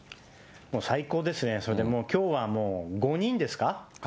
最高ですね、それでもう、きょうはもう５人ですか。